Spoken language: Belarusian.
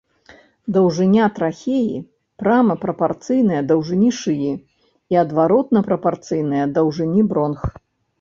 Даўжыня трахеі прама прапарцыйная даўжыні шыі і адваротна прапарцыйная даўжыні бронх.